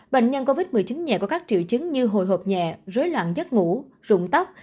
bệnh nhân covid một mươi chín nhẹ có các triệu chứng như hồi hộp nhẹ rối loạn giấc ngủ rụng tóc